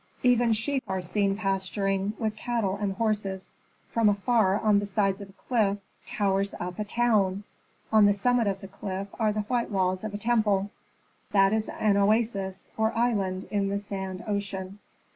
Even sheep are seen pasturing, with cattle and horses. From afar, on the sides of a cliff, towers up a town; on the summit of the cliff are the white walls of a temple. That is an oasis, or island in the sand ocean.